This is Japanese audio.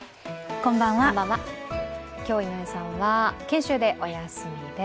こんばんは、今日井上さんは研修でお休みです。